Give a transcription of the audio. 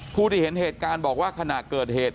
ผู้ที่เห็นเหตุการณ์บอกว่าขณะเกิดเหตุ